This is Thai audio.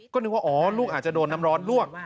ก็นึกว่าอ๋อลูกอาจจะโดนน้ำร้อนลวก